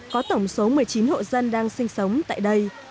có tổng số một mươi chín hộ dân đang sinh sống tại đây